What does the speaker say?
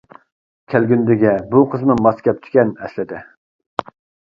كەلگۈندىگە بۇ قىزمۇ، ماس كەپتىكەن ئەسلىدە.